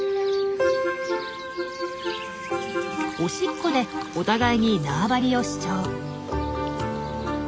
おしっこでお互いに縄張りを主張。